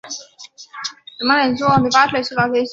鲁比内亚是巴西圣保罗州的一个市镇。